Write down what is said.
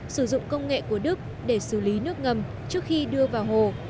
sử dụng công nghệ của đức để xử lý nước ngầm trước khi đưa vào hồ